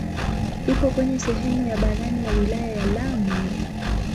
Iko kwenye sehemu ya barani ya wilaya ya Lamu.